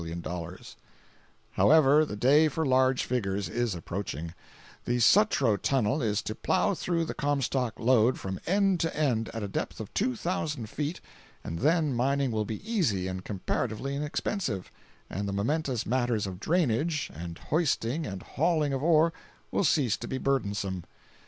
] However, the day for large figures is approaching; the Sutro Tunnel is to plow through the Comstock lode from end to end, at a depth of two thousand feet, and then mining will be easy and comparatively inexpensive; and the momentous matters of drainage, and hoisting and hauling of ore will cease to be burdensome.